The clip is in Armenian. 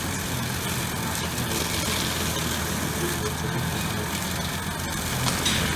Իրականացրել է հայ կոմպոզիտորների բազմաթիվ գործերի պրեմիերաներ։